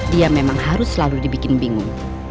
dia memang harus selalu dibikin bingung